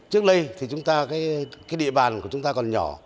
trước đây thì chúng ta cái địa bàn của chúng ta còn nhỏ